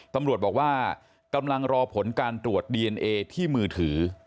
ตำรวจบอกว่ากำลังรอผลการตรวจดีเอนเอที่มือถือ